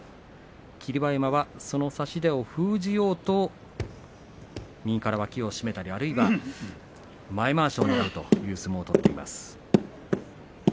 霧馬山、その差し手を封じようと右から脇を締めたり、あるいは前まわしをねらうという相撲を取っています。